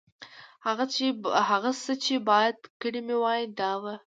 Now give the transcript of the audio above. هغه څه چې باید کړي مې وای، دا و.